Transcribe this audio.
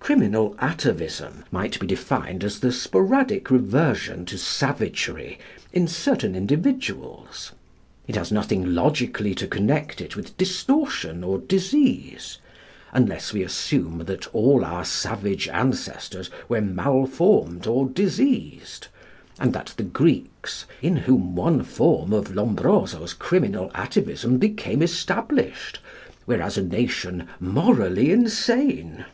Criminal atavism might be defined as the sporadic reversion to savagery in certain individuals. It has nothing logically to connect it with distortion or disease unless we assume that all our savage ancestors were malformed or diseased, and that the Greeks, in whom one form of Lombroso's criminal atavism became established, were as a nation morally insane.